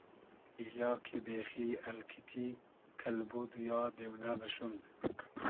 یا کی بېخی الکیتی , کئلبود و یا دېونۂ بئشوم